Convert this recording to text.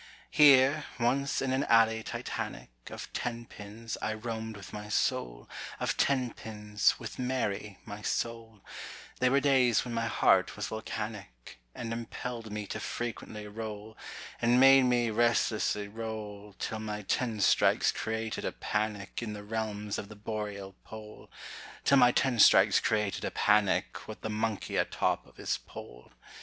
Here, once in an alley Titanic Of Ten pins, I roamed with my soul, Of Ten pins, with Mary, my soul; They were days when my heart was volcanic, And impelled me to frequently roll, And made me resistlessly roll, Till my ten strikes created a panic In the realms of the Boreal pole, Till my ten strikes created a panic With the monkey atop of his pole.